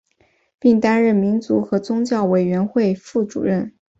并担任民族和宗教委员会副主任。